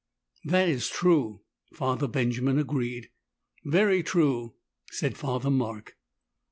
"That is true," Father Benjamin agreed. "Very true," said Father Mark.